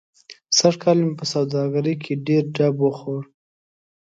سږ کال مې په سوادګرۍ کې ډېر ډب و خوړ.